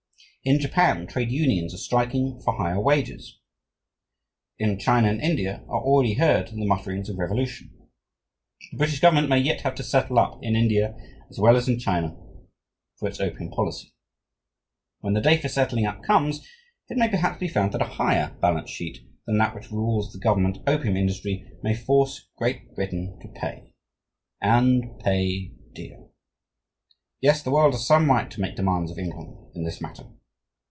In Japan, trade unions are striking for higher wages. In China and India, are already heard the mutterings of revolution. The British government may yet have to settle up, in India as well as in China, for its opium policy. And when the day for settling up comes, it may perhaps be found that a higher balance sheet than that which rules the government opium industry may force Great Britain to pay and pay dear. Yes, the world has some right to make demands of England in this matter.